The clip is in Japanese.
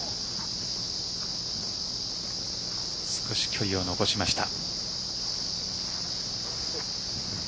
少し距離を残しました。